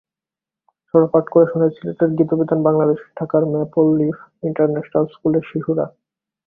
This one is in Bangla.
ছড়া পাঠ করে শোনায় সিলেটের গীতবিতান বাংলাদেশ, ঢাকার ম্যাপললিফ ইন্টারন্যাশনাল স্কুলের শিশুরা।